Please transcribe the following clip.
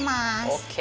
ＯＫ！